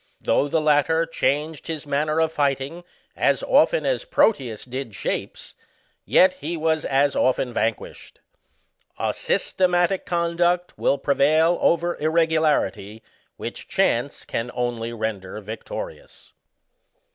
Though the latter changed his manner of fighting as often as Proteus did shapes, yet he was as often vanquished. A systematic conduct will prevail over irregularity, which chaiice can only render victorious.